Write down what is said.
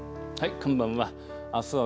こんばんは。